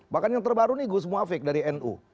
bahkan yang terbaru nih gus muafik dari nu